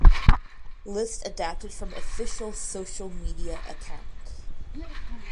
List adapted from official social media account.